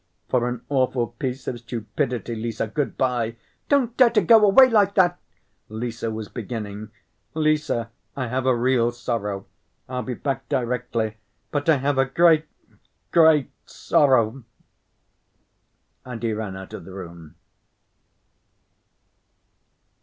"For an awful piece of stupidity, Lise! Good‐by!" "Don't dare to go away like that!" Lise was beginning. "Lise, I have a real sorrow! I'll be back directly, but I have a great, great sorrow!" And he ran out of the room.